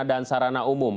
dan sarana umum